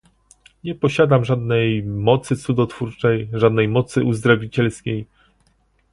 Nie posiadam żadnej mocy cudotwórczej, żadnej mocy uzdrowicielskiej